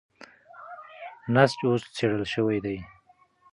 نسج اوس څېړل شوی دی.